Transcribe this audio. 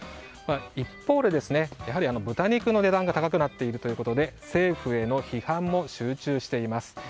一方で、豚肉の値段が高くなっているということで政府への批判も集中しています。